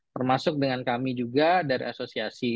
termasuk dengan kami juga dari asosiasi